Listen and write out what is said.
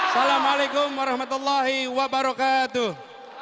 assalamualaikum warahmatullahi wabarakatuh